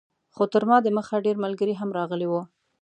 خو تر ما دمخه ډېر ملګري هم راغلي وو.